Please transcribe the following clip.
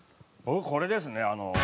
僕これですね。